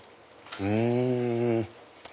うん！